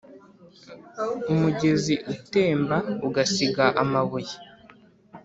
-Umugezi utemba ugasiga amabuye.